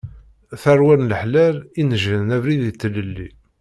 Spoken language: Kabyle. Tarwa n leḥlal inejren abrid i tlelli.